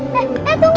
eh eh tunggu